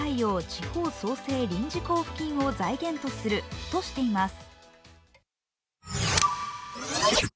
地方創生臨時交付金を財源とするとしています。